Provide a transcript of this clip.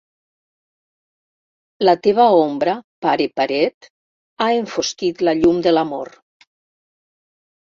La teva ombra, pare paret, ha enfosquit la llum de l'amor.